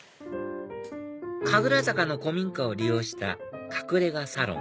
神楽坂の古民家を利用した隠れ家サロン